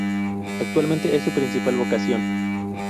Actualmente es su principal vocación.